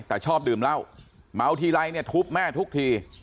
แต่ชอบดื่มเหล้าเมาทีไรเนี่ยทุบแม่ทุกที